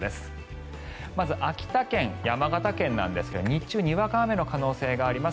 まず秋田県、山形県なんですが日中にわか雨の可能性があります。